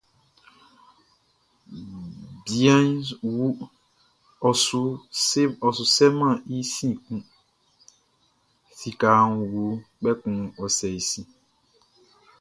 Bianʼn wu, ɔ su sɛmɛn i sin kun; sikaʼn wu, kpɛkun ɔ sa sin.